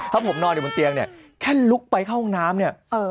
ถ้าผมนอนอยู่บนเตียงเนี่ยแค่ลุกไปเข้าห้องน้ำเนี่ย